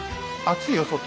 暑いよ外。